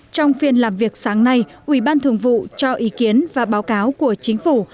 trong phiên làm việc sáng nay ủy ban thường vụ cho ý kiến và báo cáo của chính phủ